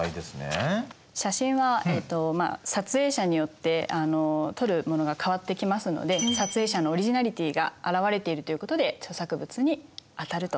写真は撮影者によって撮るものが変わってきますので撮影者のオリジナリティがあらわれているということで著作物に当たると考えられます。